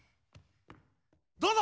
どうぞ！